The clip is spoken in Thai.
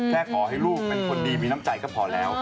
ขอให้ลูกเป็นคนดีมีน้ำใจก็พอแล้ว